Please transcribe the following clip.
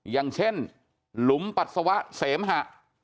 อย่างเช่นหลุมปัสสาวะเสมหะ